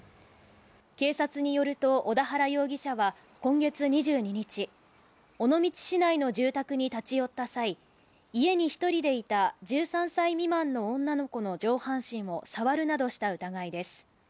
警察によると小田原容疑者は今月２２日尾道市内の住宅に立ち寄った際家に１人でいた１３歳未満の女の子の上半身を触るなどした疑いです。